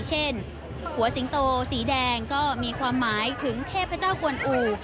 เช่นหัวสิงโตสีแดงก็มีความหมายถึงเทพเจ้ากวนอู่